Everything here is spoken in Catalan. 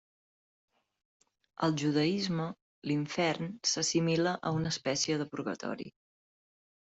Al judaisme l'infern s'assimila a una espècie de purgatori.